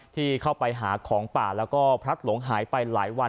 ที่เข้าไปหาของป่าแล้วก็พลัดหลงหายไปหลายวัน